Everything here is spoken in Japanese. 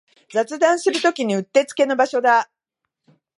雑談するときにうってつけの場所だ